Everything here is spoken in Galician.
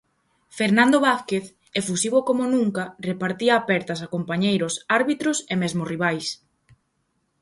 Fernando Vázquez, efusivo como nunca, repartía apertas a compañeiros, árbitros e mesmo rivais.